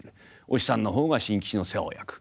お師匠さんの方が新吉の世話を焼く。